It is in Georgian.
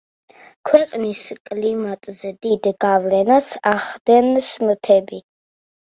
ქვეყნის კლიმატზე დიდ გავლენას ახდენს მთები.